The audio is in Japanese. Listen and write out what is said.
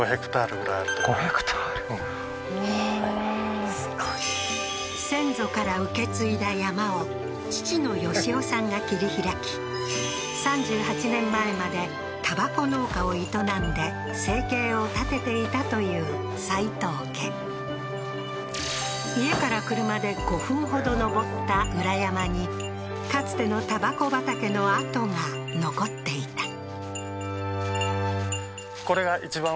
って言ってたから１ｈａへえー５ｈａはあー先祖から受け継いだ山を父の義雄さんが切り開き３８年前までタバコ農家を営んで生計を立てていたという齋藤家家から車で５分ほど上った裏山にかつてのタバコ畑の跡が残っていたああー